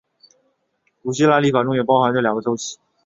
古希腊历法中也包含这两个周期。